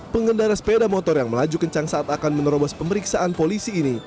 pengendara sepeda motor yang melaju kencang saat akan menerobos pemeriksaan polisi ini